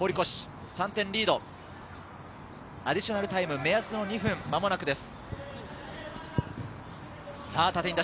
アディショナルタイム、目安の２分、間もなくです。